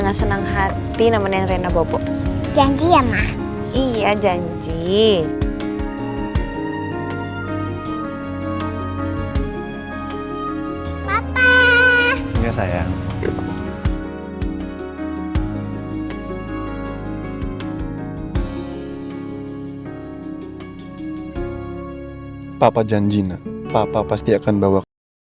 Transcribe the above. nanti aku mau tanya sama ibu